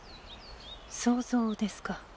想像ですか。